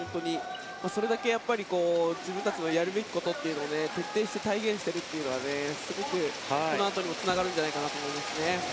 それだけ自分たちのやるべきことというのを徹底して体現しているのはすごく、このあとにもつながるんじゃないかと思いますね。